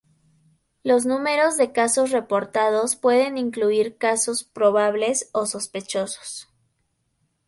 Los números de casos reportados pueden incluir casos probables o sospechosos.